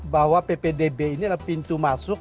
bahwa ppdb ini adalah pintu masuk